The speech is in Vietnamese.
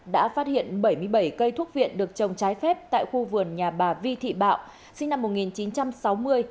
đã phát hiện bảy mươi bảy cây thuốc viện được trồng trái phép tại khu vườn nhà bà vi thị bạo sinh năm một nghìn chín trăm sáu mươi